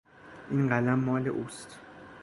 این قلم مال اوست.